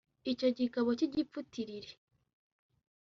icyo kigabo cy’igipfu tiriri